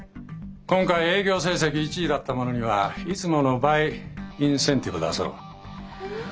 今回営業成績１位だった者にはいつもの倍インセンティブ出そう。